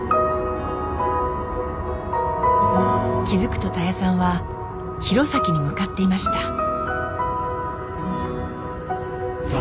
気付くとたやさんは弘前に向かっていました。